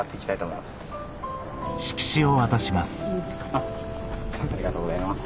ありがとうございます。